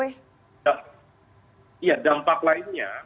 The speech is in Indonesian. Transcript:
ya dampak lainnya